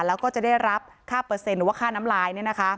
แล้วก็จะได้รับค่าเปอร์เซ็นต์หรือว่าค่าน้ำลาย